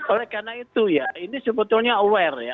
oleh karena itu ya ini sebetulnya aware ya